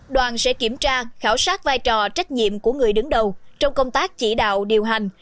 đoàn sẽ kiểm tra khảo sát vai trò trách nhiệm của người đứng đầu trong công tác chỉ đạo điều hành